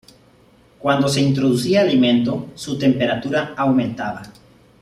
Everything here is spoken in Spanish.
Cuando se introducía alimento su temperatura aumentaba.